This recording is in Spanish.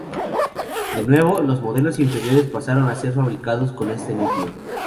De nuevo, los modelos inferiores pasaron a ser fabricados con este núcleo.